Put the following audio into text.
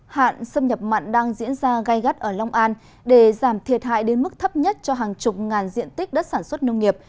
hạn xâm nhập mặn đang diễn ra gai gắt ở long an để giảm thiệt hại đến mức thấp nhất cho hàng chục ngàn diện tích đất sản xuất nông nghiệp